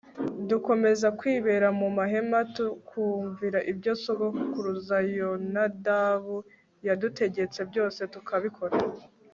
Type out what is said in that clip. dukomeza kwibera mu mahema tukumvira ibyo sogokuruza yonadabu yadutegetse byose tukabikora